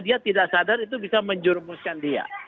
dia tidak sadar itu bisa menjurumuskan dia